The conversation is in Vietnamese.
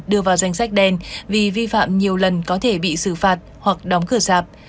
đưa vào danh sách đen vì vi phạm nhiều lần có thể bị xử phạt hoặc đóng cửa sạp